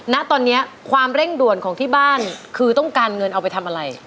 ณตอนนี้ความเร่งด่วนของที่บ้านคือต้องการเงินเอาไปทำอะไร